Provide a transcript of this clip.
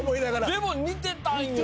でも似てたんよ。